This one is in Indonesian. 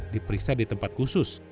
diperiksa di tempat khusus